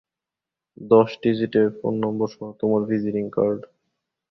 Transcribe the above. দশ ডিজিটের ফোন নম্বর সহ তোমার ভিজিটিং কার্ড।